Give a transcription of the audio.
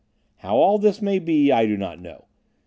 How all this may be, I do not know.